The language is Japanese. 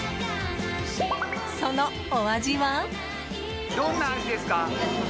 そのお味は？